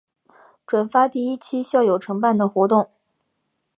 转发第一期校友承办的活动